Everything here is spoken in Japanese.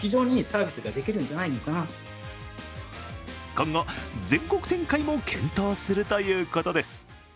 今後、全国展開も検討するということです。